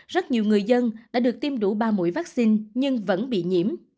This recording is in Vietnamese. rất nhiều người dân đã được tiêm đủ ba mũi vaccine nhưng vẫn bị nhiễm